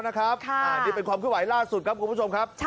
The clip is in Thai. นี่เป็นความขึ้นไหวล่าสุดครับคุณผู้ชมครับ